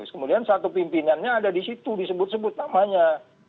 kemudian satu pimpinannya ada di situ disebut sebut namanya